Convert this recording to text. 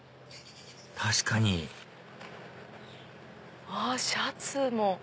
確かにシャツも。